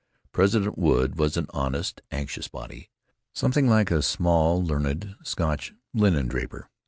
President Wood was an honest, anxious body, something like a small, learned, Scotch linen draper.